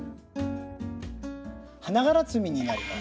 花がら摘みになります。